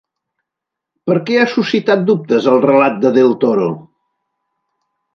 Per què ha suscitat dubtes el relat de Del Toro?